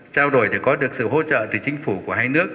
trao đổi để có được sự hỗ trợ từ chính phủ của hai nước